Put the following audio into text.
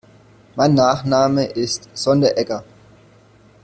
Mein Nachname ist Sonderegger.